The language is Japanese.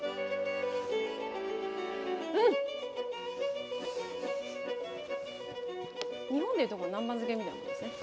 うん！日本でいうとこの南蛮漬けみたいですね。